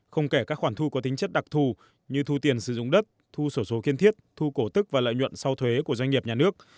không kể các khoản thu có tính chất đặc thù như thu tiền sử dụng đất thu sổ số kiên thiết thu cổ tức và lợi nhuận sau thuế của doanh nghiệp nhà nước